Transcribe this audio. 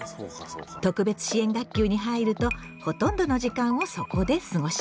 特別支援学級に入るとほとんどの時間をそこで過ごします。